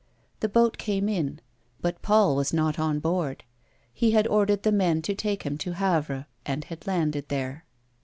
The boat came in but Paul was not on board ; he had ordered the men to take him to Havre, and had landed there.